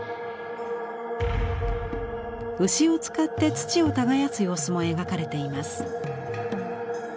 牛を使って土を耕す様子も描かれています。